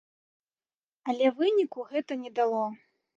Але выніку гэта не дало.